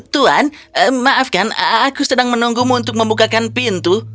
tuan maafkan aku sedang menunggumu untuk membukakan pintu